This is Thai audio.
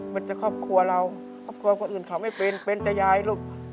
มันจะครอบครัวเราครอบครัวคนอื่นเขาไม่เป็นเป็นจะยายลูก